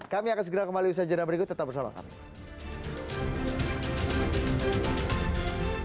kami akan segera kembali bersajaran berikut tetap bersama kami